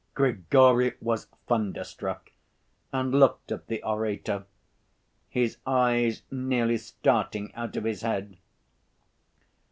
Grigory was thunderstruck and looked at the orator, his eyes nearly starting out of his head.